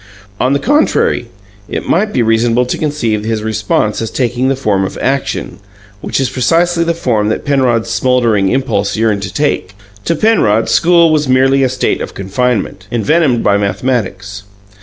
On the contrary, it might be reasonable to conceive his response as taking the form of action, which is precisely the form that Penrod's smouldering impulse yearned to take. To Penrod school was merely a state of confinement, envenomed by mathematics.